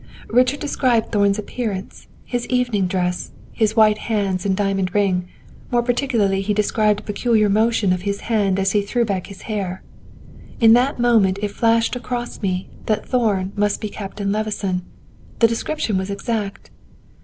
Richard described Thorn's appearance; his evening dress, his white hands and diamond ring; more particularly he described a peculiar motion of his hand as he threw back his hair. In that moment it flashed across me that Thorn must be Captain Levison; the description was exact.